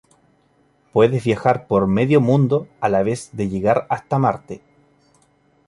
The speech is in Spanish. Puedes viajar por medio mundo, a la vez de llegar hasta marte.